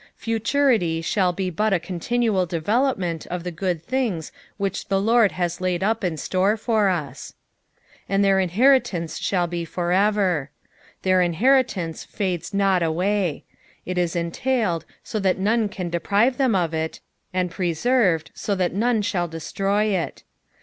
Futurity ihall be but a continual development of the good things which the Lord has laid op in store for us. ^^ And their in/itritanee ehall be for ever." Their inheritance fades not away. It is entailed, so that none can deprive them of it, ■od preserved, so that none shall destroy it.